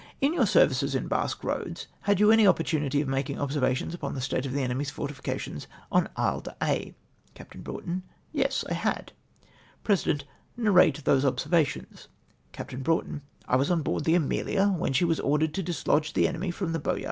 — "In your services in Basque lioads had you any opportunity of making ol^servations upon the state of the enemy's fortitications on Isle d'Aix ?" Capt. Broughton. —" Yes, I had." President. — "Narrate those observations." Capt. Broughtgn. — "I was on board the Amelia when she was ordered to dislodge the enemy from tlie Boyart * Sec vol. i. ]i. o\ l. j See vol.